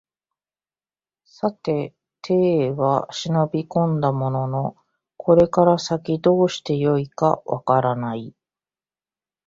さて邸へは忍び込んだもののこれから先どうして善いか分からない